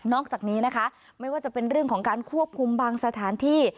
อกจากนี้นะคะไม่ว่าจะเป็นเรื่องของการควบคุมบางสถานที่